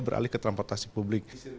beralih ke transportasi publik